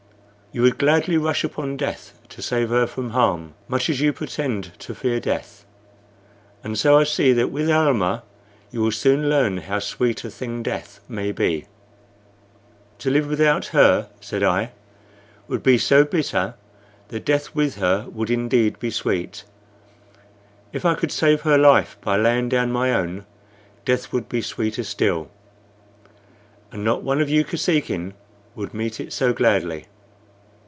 You would gladly rush upon death to save her from harm, much as you pretend to fear death; and so I see that with Almah you will soon learn how sweet a thing death may be." "To live without her," said I, "would be so bitter that death with her would indeed be sweet. If I could save her life by laying down my own, death would be sweeter still; and not one of you Kosekin would meet it so gladly."